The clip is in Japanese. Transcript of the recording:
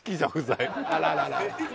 あらららら。